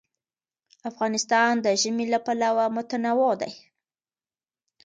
افغانستان د ژمی له پلوه متنوع دی.